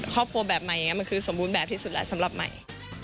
ครอบครัวแบบใหม่อย่างนี้มันคือสมบูรณ์แบบที่สุดแล้วสำหรับใหม่